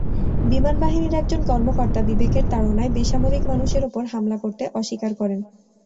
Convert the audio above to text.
বিমানবাহিনীর একজন কর্মকর্তা বিবেকের তাড়নায় বেসামরিক মানুষের ওপর হামলা করতে অস্বীকার করেন।